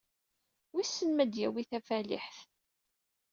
Wissen ma ad d-yawi tafaliḥt?